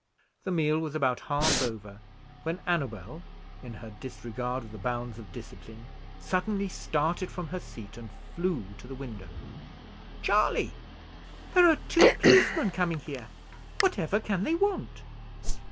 The meal was about half over, when Annabel, in her disregard of the bounds of discipline, suddenly started from her seat and flew to the window. "Charley, there are two policemen coming here! Whatever can they want?"